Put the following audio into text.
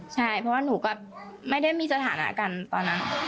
ใช่เพราะว่าหนูก็ไม่ได้มีสถานะกันตอนนั้น